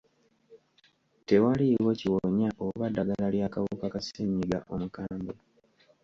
Tewaliwo kiwonya oba ddagala ly'akawuka ka ssenyiga omukambwe.